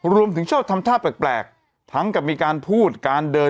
ชอบทำท่าแปลกทั้งกับมีการพูดการเดิน